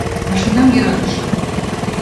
МАШИНАМ ЙӦРАТЫШЕ